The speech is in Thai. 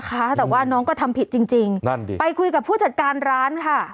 แต่ว่าน้องก็ทำผิดจริงจริงนั่นดิไปคุยกับผู้จัดการร้านค่ะ